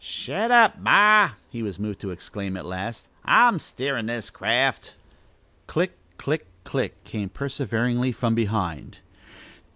"Shet up, ma!" he was moved to exclaim at last. "I'm steerin' this craft." "Click! click! click!" came perseveringly from behind.